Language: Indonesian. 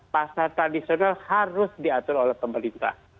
pasar tradisional harus diatur oleh pemerintah